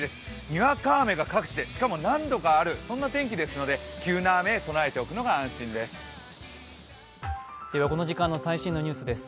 にわか雨が各地でしかも何度かある、そんな天気ですので、急な雨に備えておくのが安心です。